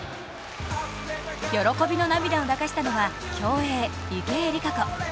喜びの涙を流したのは競泳・池江璃花子。